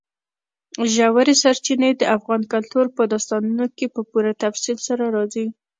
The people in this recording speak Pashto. ژورې سرچینې د افغان کلتور په داستانونو کې په پوره تفصیل سره راځي.